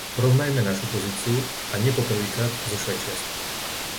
Porovnajme našu pozíciu, a nie po prvý krát, so Švajčiarskom.